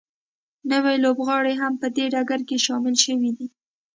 نوي لوبغاړي هم په دې ډګر کې شامل شوي دي